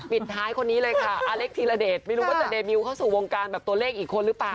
ปิดท้ายคนนี้เลยค่ะอเล็กธีรเดชไม่รู้ว่าจะเดบิวเข้าสู่วงการแบบตัวเลขอีกคนหรือเปล่า